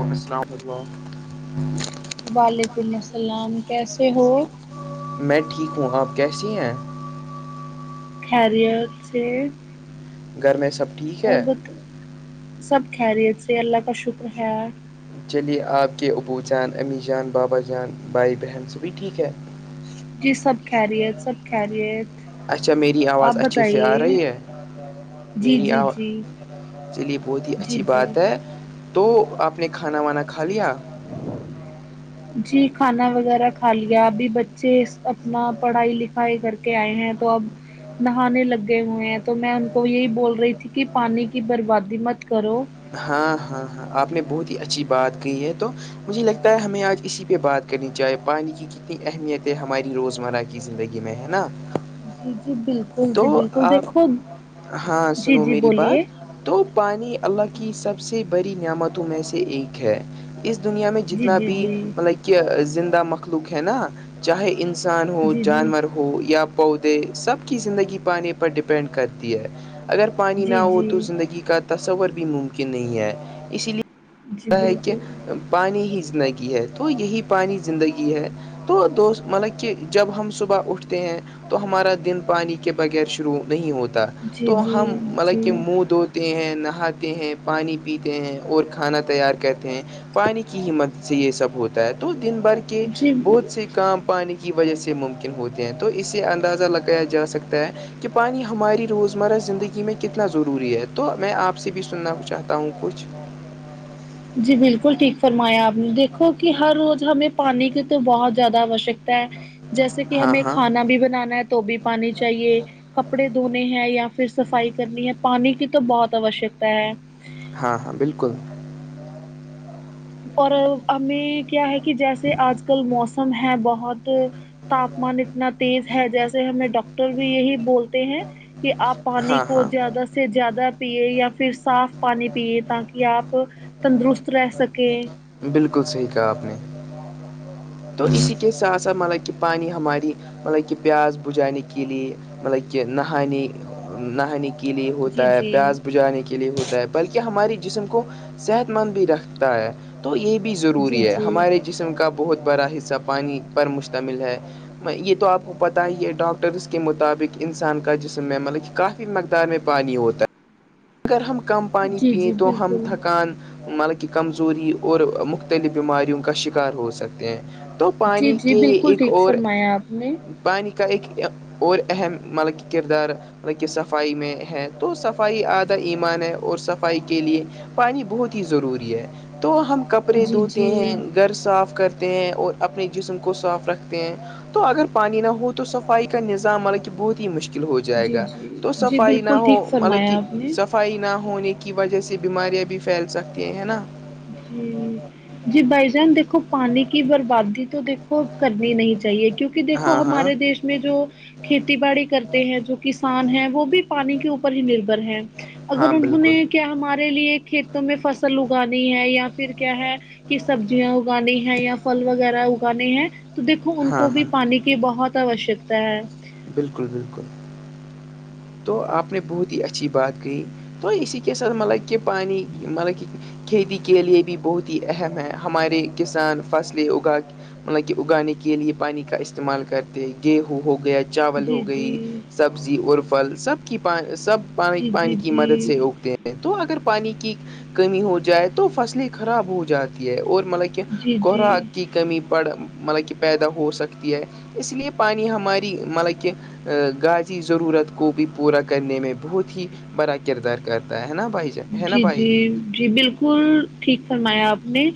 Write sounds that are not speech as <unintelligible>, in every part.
وعلم السلامام وعلیکم السلام کیسے ہو میں ٹھیک ہوں آپ کیسی ہیں خیریت سے گھر میں سب ٹھیک ہے اور بت سب خیریت سے اللہ کا شکر ہے چلیے آپ کے ابو جان امی جان بابا جان بھائی بہن سبھی ٹھیک ہے جی سب خیریت ہے سب خیریت اچھا میری آپ آواز اچھے سے آ بتائیے رہی ہے جی میری آ جی وہ جی چلیے بہت ہی جی اچھی جی بات ہے تو آپ نے کھانا وانا کھا لیا جی کھانا وغیرہ کھا لیا ابھی بچے اپنا پڑھائی لکھائی کر کے کے آئے ہیں تو اب نہانے لگے ہوئے ہیں تو میں ان کو یہی بول رہی تھی کہ پانی کی بربادی مت کرو ہاں ہاں ہاں آپ نے بہت ہی اچھی بات کی ہے تو مجھے لگتا ہے ہمیں آج اسی پہ بات کرنی چاہے پانی کی کتنی اہمیت ہے ہماری روزمرہ کی کی زندگی میں ہے نا جی جی بالکل تو جی بالکل دیکھو آپ ہاں جی سنو جی میری بولیے بات تو پانی اللہ کی سب سے بڑی نعمتوں میں سے ایک ہے اس دنیا میں جی جتنا جی بھی جی مطلب کہ زندہ مخلوق ہے نا چاہے انسان ہو جی جی جانور ہو یا پودے سب کی زندگی پانی پر ڈیپینڈ کرتی ہے اگر پانی نہ جی ہو جی تو زندگی کا تو تصور بھی ممکن نہیں ہے اس لیے جی ہے کہ بالکل پانی ہی زندگی ہے تو یہی پانی زندگی ہے تو دوست مطلب کہ جب ہم صبح اٹھتے ہیں تو ہمارا دن پانی کے بغیر شروع نہیں ہوتا جی تو ہم جی مطلب کہ جی منہ د تے ہیں نہاتے ہیں پانی پیتے ہیں اور کھانا تیار کہتے ہیں پانی کی اہمیت سے یہ سب ہوتا ہے تو دن بھر کے جی بہت سے کام پانی کی وجہ سے ممکن ہوتے ہیں تو اسے اندازہ لگایا جا سکتا ہے کہ پانی ہماری روزمرہ زندگی میں کتنا ضروری ہے تو میں آپ سے بھی سننا چاہتا ہوں کچھ جی بالکل ٹھیک فرمایا آپ نے دیکھو کہ ہر روز ہمیں پانی کی تو بہت زیادہ آوشکتا ہے جیسے کہ ہاں ہمیں ہاں کھانا بھی بنانا ہے تو بھی پانی چاہیے کپڑے دھونے ہیں یا پھر صفائی کرنی ہے پانی کی تو بہت آوشکتا ہے ہاں ہاں بالکل اور ہمیں کیا ہے کہ جیسے آج کل موسم ہے بہت تو تاپمان اتنا تیز ہے جیسے ہمیں ڈاکٹر بھی یہی بولتے ہیں کہ آپ پانی ہاں کو ہاں زیادہ سے زیادہ پیے یا پھر صاف پانی پیے تاکہ آپ تندرست رہ سکیں بالکل صحیح کہا آپ نے تو اسی کے ساتھ ساتھ مطلب کہ پانی ہماری مطلب کہ پیاس بجھانے کے لیے مطلب کہ نہانے نہانے کے لیے جی ہوتا ہے جی پیاس بجھانے کے لیے ہوتا ہے بلکہ ہماراری جسم کو صحت مند بھی رکھتا ہے تو یہ بھی جی ضروری ہے جی ہمارے جسم کا بہت بڑا حصہ پانی پر مشتمل ہے یہ تو آپ کو پتہ ہے یہ ڈاکٹرس کے مطابق انسان کا جسم ہے مطلب کا مقدان میں پانی ہوتا ہے اگر ہم کم پانی جی پییں جی تو ہم بالکل تھکان ملک کی کمزوری اور مختلف بیماریوں کا شکار ہو سکتے ہیں تو جی پانی جی کے بالکل ایک ٹھیک اور فرمایا آپ نے پانی کا ایک اور اہم مطلب کردار مطلب کہ صفائی میں ہے تو صفائی آج ایمان ہے اور صفائی کے لیے پانی بہت ہی ضروری ہے تو ہم کب کپڑے جی دھوتے جی ہیں گھر صاف کرتے ہیں اور اپنے جسم کو صاف رکھتے ہیں تو اگر پانی نہ ہو تو صفائی کا نظام حالانکہ بہت ہی مشکل مکل ہو جائے جی گا جی تو جی صفائی نہ بالکل ہو ٹھیک مطلب کہ فرمایا آپ نے صفائی نہ ہونے کی وجہ سے بیماریاں بھی پھیل سکتی ہیں نا جی <unintelligible> جی بھائی جان دیکھو پانی کی بربادی تو دیکھو کرنی نہیں چاہیے کیونکہ کہ دیکھو ہاں ہاں ہمارے دیش میں جو کھیتی باڑی کرتے ہیں جو کسان ہیں وہ بھی پانی کے اوپر ہی نربھر ہے ہاں اگر انہوں نے بالکل کیا ہمارے لیے کھیتوں میں فصل اگانی ہے یا پھر کیا ہے کہ سبزیاں اگانی ہے یا پھل وغیرہ اگانے ہیں تو دیکھو ان ہاں کو بھی ہاں پانی کے کی بہت آوشکتا ہے بالکل بالکل تو آپ نے بہت ہی اچھی بات کہ تو اسی کے سر مطلب کہ پانی مطلب کہ کھیتی کے لیے بھی بہت ہی اہم ہے ہمارے کسان فصلیں اگا مطلب کہ اگانے کے لیے پانی کا استعمال کرتے ہیں گیہوں ہو گیا چاول ہو جی گئی جی سبزی ارفل سب کی پا سب پانی جی جی پانی کی مدد جی سے ہوگتے ہیں تو اگر پانی کی کمی ہو جائے تو فصلیں خراب ہو جاتی ہے اور مطلب جی کوا جی کی کمی پڑ مطلب کہ پیدا ہو سکتی ہے اس لیے پانی ہماری مطلب کہ گاازی ضرورت کو بھی پورا کرنے میں بہت ہی بڑا کردار کرتا ہے نا بھائی جان ہے نا جی بھائی جی جی بالکل ٹھیک فرمایا آپ نے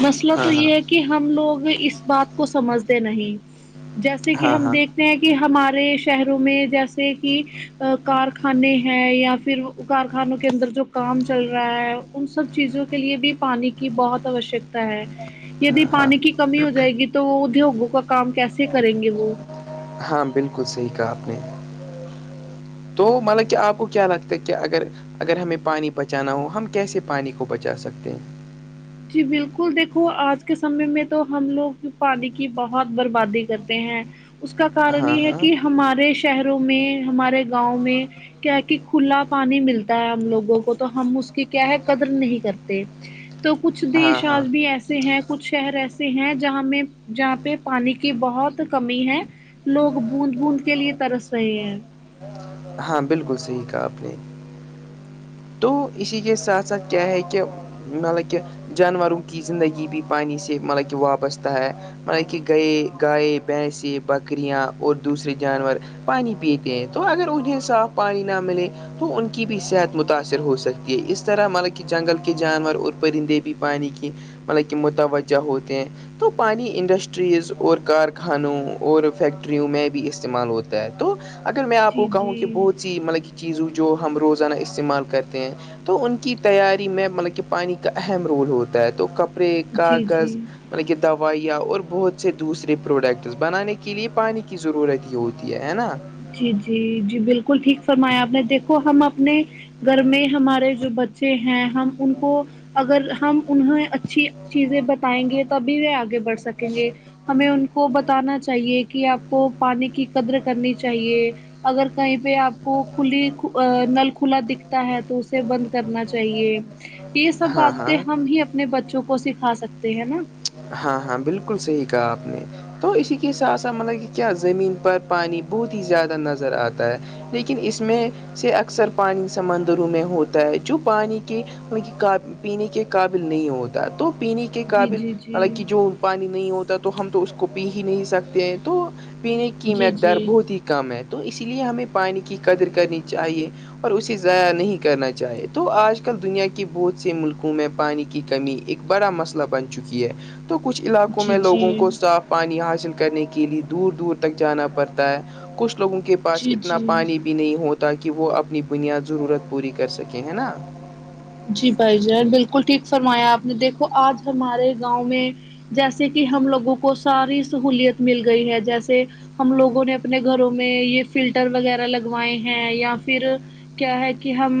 مسئلہ تو ہاں ہاں یہ ہے کہ کہ ہم لوگ اس بات کو سمجھتے نہیں جیسے کہ ہاں ہم ہاں دیکھ ہیں کہ ہمارے شہروں میں جیسے کہ ا کارخانے ہے یا پھر کارخانوں کے اندر جو کام چل رہا ہے ان سب چیزوں کے لیے بھی پانی کی بہت آوشک ہے ہاں یدی ہاں پانی کی کمی ہو جائے گی تو وہ ادیوگوں کا کام کیسے کریں گے وہ ہاں بالکل صحیح کہا آپ نے تو مطلب کہ آپ کو کیا لگتا ہے کہ اگر اگر ہمیں پانی بچانا ہو ہم کیسے پانی کو بچا سکتے ہیں جی بالکل دیکھو آج کے سمے میں تو ہم لوگ پانی کی بہت بربادی کرتے ہیں اس کا کارن ہاں یہ ہے ہاں کہ ہمارے شہروں میں ہمارے گاؤں میں کیا کہ کھلا پانی ملتا ہے ہم لوگوں کو تو ہم اس کی کیا ہے قدر نہیں کرتے تو کچھ ہاں دیش ہاں آج بھی ایسے ہیں کچھ شہر ایسے ہیں جہاں میں جہاں پہ پانی کی بہت کمی ہے لوگ بوند بوند کے لیے ترس رہے ہیں ہاں بالکل صحیح کہا آپ نے تو اسی کے ساتھ ساتھ کیا ہے کہ مطلب کہ جانوروں کی زندگی بھی پانی سے مطلب کہ وابستہ ہے مطل کہ گئے گائے بھینس بکریاں اور دوسرے جانور پانی پیتے ہیں تو اگر انہیں صاف پانی نہ ملے تو ان کی بھی صحت متاث سر ہو سکتی ہے اس طرح مطلب کہ جنگل کے جانور اور پرندے بھیی پانی کی مطلب کہ متوجہ ہوتے ہیں تو پانی انڈسٹریز اور کارخانوں اور فیکٹریوں میں بھی استعمال ہوتا تو اگر میں آپ کو جی کہوں جی کہ بہت سی مطلب کی چیزوں جو ہم روزانہ استعمال کرتے ہیں تو ان کی تیاری میں مطلب کہ پانی کا اہم رول ہوتا ہے تو کپ پری جی جی کاغذ مطلب کہ دوائیاں اور بہت سے دوسرے پروڈکٹس بنانے کے لیے پانی کی ضرورت ہی ہوتی ہے ہے نا جی جی جی بالکل ٹھیک فرمایا آپ نے دیکھو ہم اپنے گھر میں ہمارے جو بچے ہیں ہم ان کو اگر ہم انہیں اچھی چیزیں بتائیں گے تبھی وہ آگے بڑھ سکیں گے ہمیں ان کو بتانا چاہیے کہ آپ کو پانی کی قدر کرنی چاہیے اگر کہیں پہ آپ کو کھلی نل کھلا دکھتا ہے تو اسے بند کرنا چاہیے یہ سب ہاں ہاں باتیں ہم ہی اپنے بچوں کو سکھا سکتے ہیں نا ہاں ہاں بالکل صحیح کہا آپ نے تو اسی کے سا سا مطلب کہ کیا زمین پر پانی بہت ہی زیادہ نظر آتا ہے لیکن اس میں سے اکثر پانی سمندروں میں ہوتا ہے جو پانی کے ان پینے کے قابل نہیں ہوتا تو پینے کے جی قابل جی جی حالانکہ پانی نہیں ہوتا تو ہم تو اس کو پی ہی نہیں سکتے ہیں تو پینے کی جی مقدار جی بہت ہی کم ہے تو اس لیے ہمیں پانی کی قدر کرنی چاہیے اور اسے ضائع نہیں کرنا چاہے تو آج کل دنیا کے بہت سے ملکوں میں پانی کی کمی ایک بڑا مسئلہ بن چکی ہے تو کچھ علاقوں جی میں لوگوں جی کو صاف پانی حاصل کرنے کے لئے دور دور تک جانا پڑتا ہے کچھ لوگوں کے پاس جی اتنا جی پانی بھی نہیں ہو تاکہ وہ اپنی بنیاد ضرورت پوری کر سکیں ہے نا جی بھائی جین بالکل ٹھیک فرمایا آپ نے دیکھو آج ہمارے گاؤں میں جیسے کہ ہم لوگوں کو ساری سہولت مل گئی ہے جیسے ہم لوگوں نے اپنے گھروں میں یہ فلٹر وغیرہ لگوائے ہیں یا پھر کیا ہے کہ ہم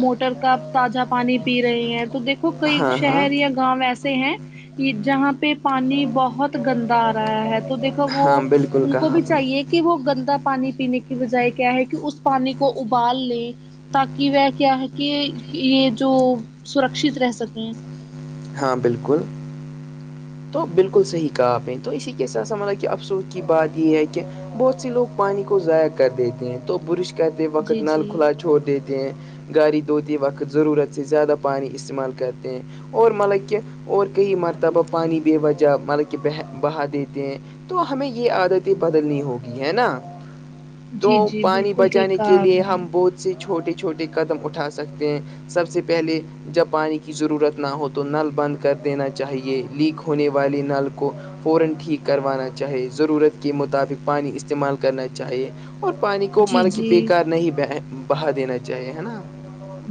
موٹر کا تازہ پانی پی رہے ہیں تو دیکو کئی ہاں ہاں شہر یا گاؤں ایسے ہیں یہ جہاں پہ پانی بہت گندا آ رہا ہے تو دیکھو ہاں وہ بالکل ان کو کہا بھی آپ نے چاہیے کہ کہ وہ گندا پانی پینے کی بجائے کیا ہے کہ اس پانی کو ابال لیں تاکہ وہ کیا ہے کہ یہ جو سرکشت رہ سکیں ہاں بالکل تو بالکل صحیح کہا آپ نے تو اسی کے ساتھ سال کہ افسوس کی بات یہ ہے کہ بہت سی لوگ پانی کو ضائع کر دیتے ہیں تو برش کرتے جی وقت نل جی کھلا چھوڑ دیتے گاڑی دھوتے وقت ضرورت سے زیادہ پانی استعمال کرتے ہیں اور ملب کہ اور کئی مرتبہ پانی بے وجہ مطلب کہ بہ بہا دیتے ہیں تو ہمیں یہ عادتیں بدلنی ہوگی ہے نا تو جی جی پانی بالکل ٹھیک بچانے کے کہا آپ لیے نے ہم بہت سے چھوٹے چھوٹے قدم اٹھا سکتے ہیں سب سے پہلے جب پانی کی ضرورت نہ ہو تو نل بند کر دینا چاہیے لیک ہونے والی نل کو کروانا چاہے ضرورت کے مطابق پانی استعمال کرنا چاہیے اور پانی کو جی مانا کہ جی بےیکار نہیں بہا دینا چاہیے ہے نا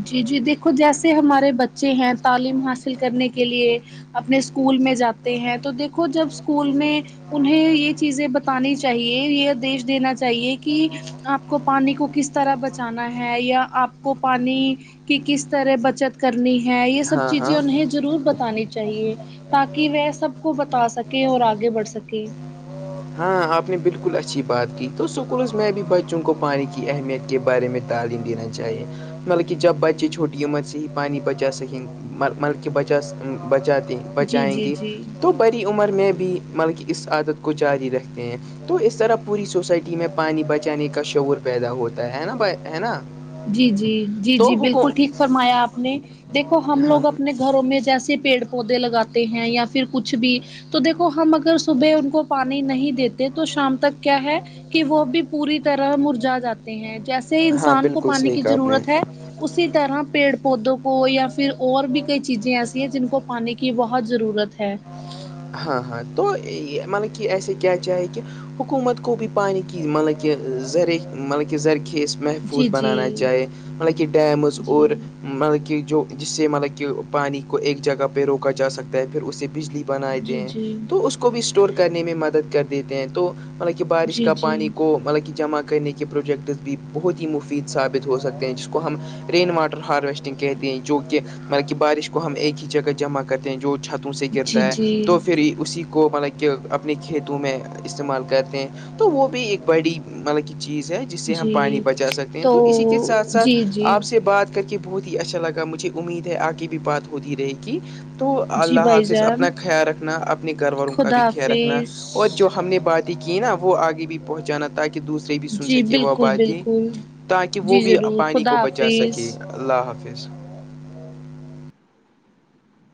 جی جی دیکھو جیسے ہمارے بچے ہیں تعلیم حاصل کرنے کے لیے اپنے اسکول میں جاتے ہیں تو دیکھو جب اسکول میں انہیں یہ چیزیں بتانی چاہیے یہ آدیش دینا چاہیے کہ آپ کو پانی کو کس طرح بچانا ہے یا آپ کو پانی کی کس طرح بچت کرنی ہے یہ سب ہاں چیزیں ہاں انہیں ضرور بتانی چاہیے تاکہ وہ سب کو بتا سکے اور آگے بڑھ سکے ہاں آپ نے بالکل اچھی بات کی تو اسکولز میں بھی بچوں کو پانی کی اہمیت کے بارے میں تعلیم دینا چی چاہیے مل کہ جب بچے چھوٹی مت سے ہی پانی بچا سکیں مل بچا بچاتے جی بچائیں جی گے جی تو بڑی عمر میں بھی مطلب کہ اس عادت کو جاری رکھتے ہیں تو اس طرح پوری سوسائٹی میں پانی بچانے کا شعور پیدا ہوتا ہے نا ہے نا جی جی جی تو جی بالکل حکم ٹھیک فرمایا آپ نے دیکھو ہم ہاں لوگ اپنے گھروں میں جیسے پیڑ پودے لگاتے ہیں یا پھر کچھ بھی تو دیکو ہم ا صبح ان کو پانی نہیں دیتے تو شام تک کیا ہے کہ وہ بھی پوری طرح مرجا جاتے ہیں جیسے ہاں انسان کو بالکل پانی صحیح کی کہا آپ نے ضرورت ہے اسی طرح پیڑ پودوں کو یا پھر اور بھی کئی چیزیں ایسی ہیں جن کو پانی کی بہت ضرورت ہے ہاں ہاں تو مطلب کہ ایسے کیا کیاے کہ حکومت کو بھی پانی کہ مطلب کہ زذرخ مطلب زذرخیز محفوظ جی بنانا جی چاہیے مطلب کہہ ڈیمز اورور جی مطلب کہ جو جس سے مطلب کہ پانی کو ایک جگہ پہ روکا جا سکتا ہے پھر اس سے بجلی بن دیتے جی ہیں تو اس کو بھی اسٹور کرنے میں مدد کر دیتے ہیں تو مب کیا بارش جی جی کا پانی کو جی مطلب کہ جمع کرنے کی پروجیکٹس بھی بہت ہی مفید ثابت ہو سکتے ہیں جس کو ہم رین واٹر ہارویسٹنگ کہتے ہیں جو کہ مطلب کہ بارش کو ہم ایک ہی جگہ جمع کرتے ہیں جو چھتوں سے گرتے جی جی پری اسی کو مطلب کہ اپنے کھیتوں میں استعمال کرتے ہیں تو وہ بھی ایک بڑی مطلب کہ چیز ہے ج سے ہم پانی جی بچا سکتے ہیں تو اسی کے ساتھ ساتھ جی جی آپ سے بات کر کے بہت ہی اچھا لگا مجھے امید ہے آگے بھی بات ہوتی رہے گی تو جی اللہ بھائی حافظ اپنا جان خیال رکھنا اپنے گھر والوں کا بھی خدا خیال رکھنا حافظ اور جو ہم نے باتیں کی نا وہ آگے بھی پہنچانا تاکہ دوسرے سے بھی سن جی سکے وہ بالکل باتیں بالکل تاکہ وہ جی بھی ضرور پانی کو خدا بچا سکے حافظ اللہ حافظ